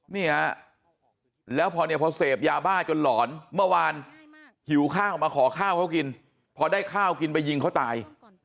นี่ฮะแล้วพอเนี่ยพอเสพยาบ้าจนหลอนเมื่อวานหิวข้าวมาขอข้าวเขากินพอได้ข้าวกินไปยิงเขาตาย